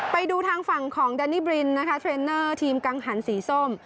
ไปดูทางฝั่งของแดนนี่บรินนะคะเทรนเนอร์ทีมกังหันสีส้ม